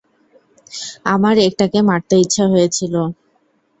আমার একটাকে মারতে ইচ্ছা হয়েছিল।